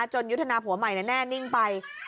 ยุทธนาผัวใหม่แน่นิ่งไป